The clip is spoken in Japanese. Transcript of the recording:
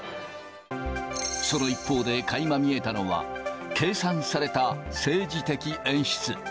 その一方で、かいま見えたのは、計算された政治的演出。